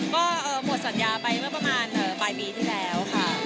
ก็หมดสัญญาไปเมื่อประมาณปลายปีที่แล้วค่ะ